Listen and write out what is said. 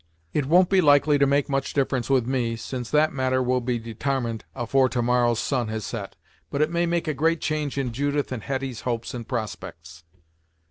It won't be likely to make much difference with me, since that matter will be detarmined afore to morrow's sun has set, but it may make a great change in Judith and Hetty's hopes and prospects!"